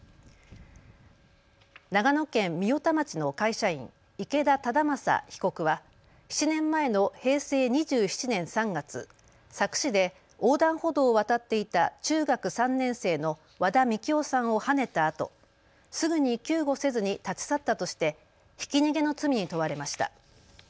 長野県御代田町の会社員、池田忠正被告は７年前の平成２７年３月、佐久市で横断歩道を渡っていた中学３年生の和田樹生さんをはねたあとすぐに救護せずに立ち去ったとしてひき逃げの罪に問われました。